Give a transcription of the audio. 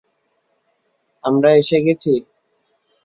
আমরা এসে গেছি?